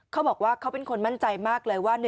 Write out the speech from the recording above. เขาบอกว่าเขาเป็นคนมั่นใจมากเลยว่า